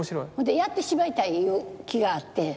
やってしまいたいいう気があって。